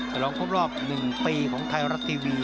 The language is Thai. ฉลองครบรอบ๑ปีของไทยรัฐทีวี